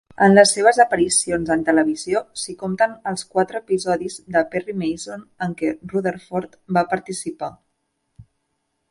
Entre les seves aparicions en televisió s'hi compten els quatre episodis de "Perry Mason" en què Rutherford va participar.